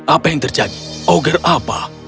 apa yang terjadi ogger apa